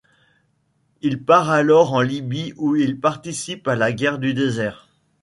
Il part alors en Libye où il participe à la guerre du désert.